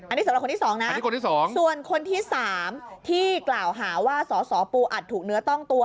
อันนี้สำหรับคนที่สองนะอันนี้คนที่สองส่วนคนที่๓ที่กล่าวหาว่าสสปูอัดถูกเนื้อต้องตัว